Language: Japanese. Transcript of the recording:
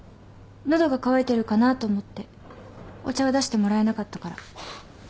喉が渇いてるかなと思ってお茶を出してもらえなかったから。